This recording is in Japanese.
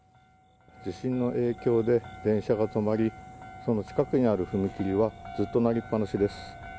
地震の影響で、電車が止まり、その近くにある踏切は、ずっと鳴りっぱなしです。